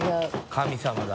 神様だ。